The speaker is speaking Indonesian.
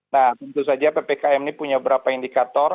nah tentu saja ppkm ini punya beberapa indikator